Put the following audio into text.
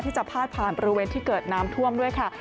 จะพาดผ่านบริเวณที่เกิดน้ำท่วมด้วยค่ะ